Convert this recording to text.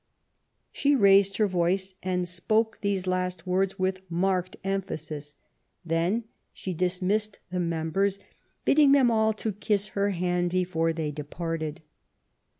She raised her voice and spoke these last words with marked emphasis ; then she dismissed the members. LAST YEARS OF ELIZABETH. 297 bidding them all to kiss her hand before they departed.